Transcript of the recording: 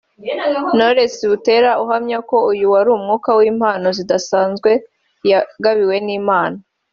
Knowless Butera uhamya ko uyu wari umwaka w’impano zidasanzwe yagabiwe n’Imana